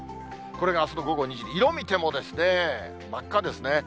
これがあすの午後２時、色見ても、真っ赤ですね。